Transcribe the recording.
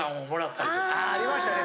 ありましたね